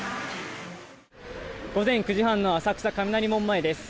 午前９時半の浅草・雷門前です。